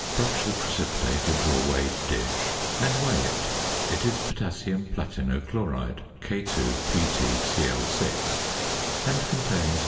Brush the precipitate into a weighed dish, and weigh it. It is potassium platino chloride (K_PtCl_), and contains 16.